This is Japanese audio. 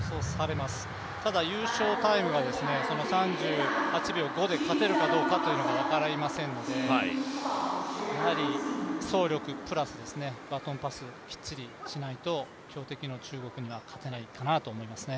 ただ優勝タイムが３８秒５で勝てるかどうかが分かりませんので、走力プラスバトンパスをきっちりしないと強敵の中国には勝てないかなと思いますね。